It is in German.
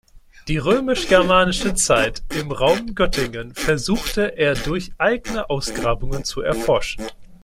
Die römisch-germanische Zeit im Raum Göttingen versuchte er durch eigene Ausgrabungen zu erforschen.